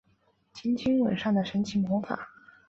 轻轻吻上的神奇魔法